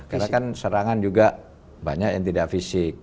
karena kan serangan juga banyak yang tidak fisik